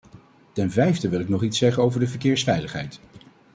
Ten vijfde wil ik nog iets zeggen over de verkeersveiligheid.